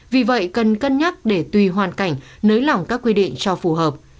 vì vậy cần cân nhắc để tùy hoàn cảnh nới lỏng các quy định cho phù hợp